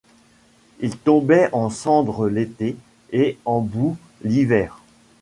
Il tombait en cendre l’été et en boue l’hiver.